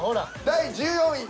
第１４位。